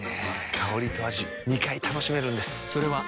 香りと味２回楽しめるんです。